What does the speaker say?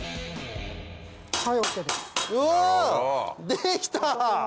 できた！